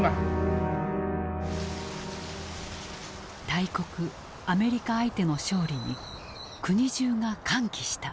大国アメリカ相手の勝利に国中が歓喜した。